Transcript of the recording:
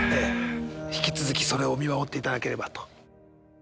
引き続きそれを見守っていただければと。